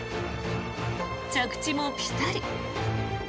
着地もピタリ。